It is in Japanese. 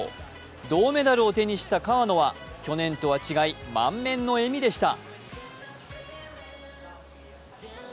銅メダルを手にした川野は去年とは違い、満面の笑みでした。